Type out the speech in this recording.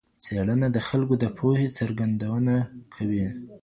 څېړنه د خلګو د پوهي څرګندونه کوي.